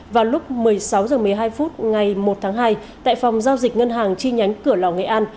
vào lúc một mươi sáu h một mươi hai phút ngày một tháng hai tại phòng giao dịch ngân hàng chi nhánh cửa lò nghệ an